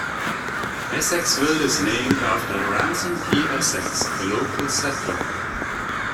Essexville is named after Ransom P. Essex, a local settler.